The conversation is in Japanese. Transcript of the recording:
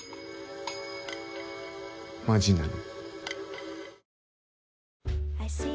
マジなの？